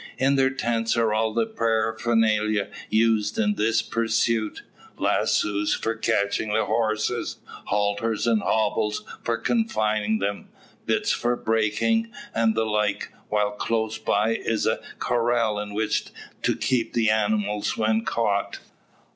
In their tents are all the paraphernalia used in this pursuit; lassoes for catching the horses; halters and hobbles for confining them; bits for breaking, and the like; while close by is a "corral" in which to keep the animals when caught.